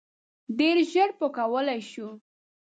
ډیر ژر به وکولای شو.